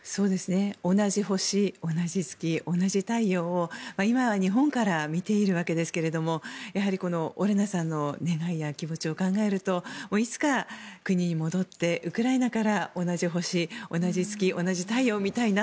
同じ星、同じ月同じ太陽を今は日本から見ているわけですけれどもやはりオレナさんの願いや気持ちを考えるといつか国に戻ってウクライナから同じ星、同じ月、同じ太陽を見たいな。